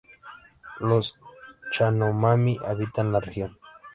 Los Yanomami habitan la región.